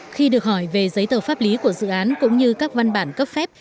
khi được hỏi về giấy tờ pháp lý của dự án cũng như các văn bản cấp phép